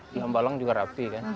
di ambalong juga rapi